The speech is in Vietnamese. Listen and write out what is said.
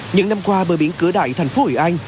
những năm qua bờ biển cửa đại thành phố hội an